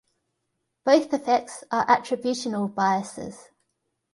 Both effects are attributional biases.